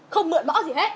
không mượn bỏ gì hết